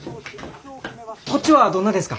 こっちはどんなですか？